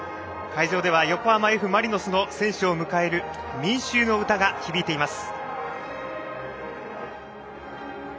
会場では横浜 Ｆ ・マリノスの選手を迎える民衆の歌が響いています。